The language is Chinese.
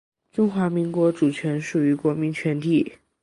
中华民国主权属于国民全体